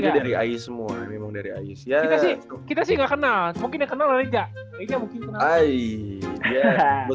pasar santa juga lu ntar